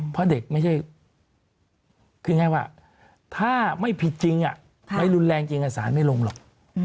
พอถ้าไม่ผิดจริงไม่รุนแรงจริงสารไม่ลงหรอก